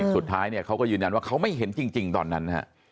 สุดท้ายเนี่ยเขาก็ยืนยันว่าเขาไม่เห็นจริงตอนนั้น